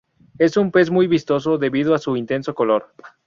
Es un pez muy vistoso, debido a su intenso color.